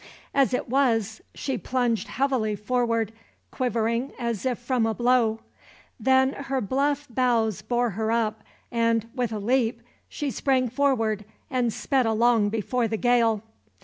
As it was she plunged heavily forward, quivering as if from a blow. Then her bluff bows bore her up and, with a leap, she sprang forward and sped along before the gale.